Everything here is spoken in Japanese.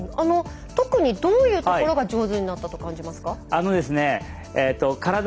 特にどういうところが上手になったと感じますか？